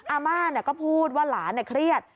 อาม่าก็พูดว่าหลานเครียด